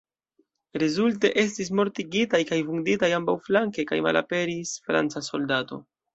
Rezulte estis mortigitaj kaj vunditaj ambaŭflanke, kaj malaperis franca soldato.